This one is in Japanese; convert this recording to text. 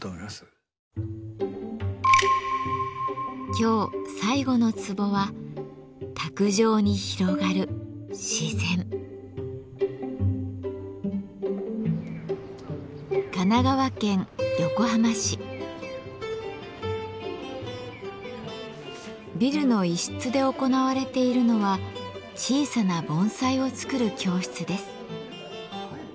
今日最後のツボはビルの一室で行われているのは小さな盆栽を作る教室です。